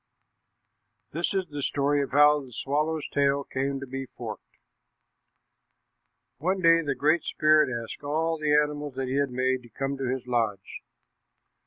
This is the story of how the swallow's tail came to be forked. One day the Great Spirit asked all the animals that he had made to come to his lodge.